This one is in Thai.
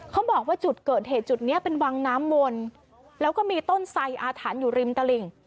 เขาบอกว่าจุดเกิดเหตุจุดนี้เป็นวังน้ำวนแล้วก็มีต้นไสอาถรรพ์อยู่ริมตลิ่ง